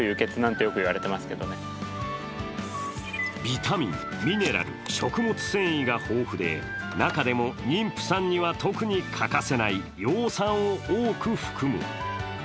ビタミン、ミネラル、食物繊維が豊富で中でも妊婦さんには特に欠かせない葉酸を多く含む。